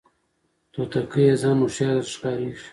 توتکیه ځان هوښیار درته ښکاریږي